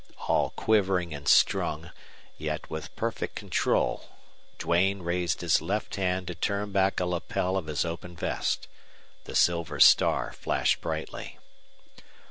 All quivering and strung, yet with perfect control, Duane raised his left hand to turn back a lapel of his open vest. The silver star flashed brightly.